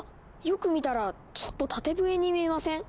よく見たらちょっと縦笛に見えません？